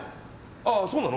ああそうなの？